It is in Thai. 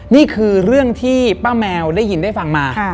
นี่คือเรื่องที่ป้าแมวได้ยินได้ฟังมา